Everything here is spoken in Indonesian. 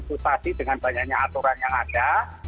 frustasi dengan banyaknya aturan yang ada